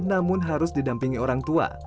namun harus didampingi orang tua